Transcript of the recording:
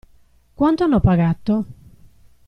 Quanto hanno pagato?